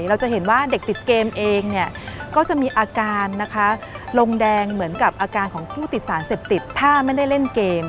เราจะเห็นว่าเด็กติดเกมเองเนี่ยก็จะมีอาการนะคะลงแดงเหมือนกับอาการของผู้ติดสารเสพติดถ้าไม่ได้เล่นเกม